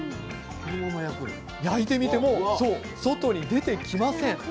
焼いてみても外に出てきません。